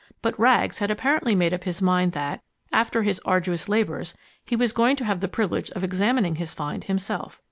But Rags had apparently made up his mind that, after his arduous labors, he was going to have the privilege of examining his find himself.